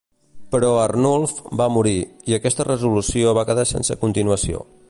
Però Arnulf va morir, i aquesta resolució va quedar sense continuació.